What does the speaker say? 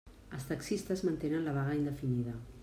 Els taxistes mantenen la vaga indefinida.